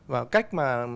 và cách mà